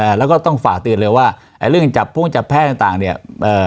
แล้วก็ต้องฝากเตือนเลยว่าไอ้เรื่องจับพุ้งจับแพ้ต่างต่างเนี้ยเอ่อ